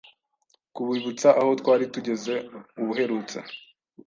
kubibutsa aho twari tugeze ubuherutse